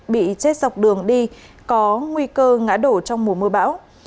bị chết dọc đường đi có nguy cơ ngã đổ trong mùa mưa bão